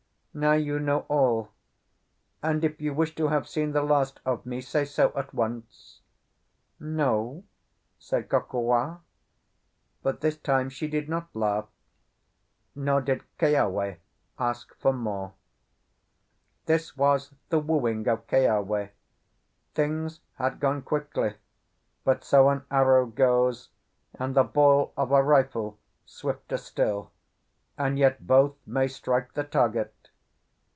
Now you know all, and if you wish to have seen the last of me, say so at once." "No," said Kokua; but this time she did not laugh, nor did Keawe ask for more. This was the wooing of Keawe; things had gone quickly; but so an arrow goes, and the ball of a rifle swifter still, and yet both may strike the target.